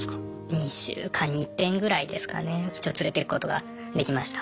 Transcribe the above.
２週間に一遍ぐらいですかね一応連れていくことができました。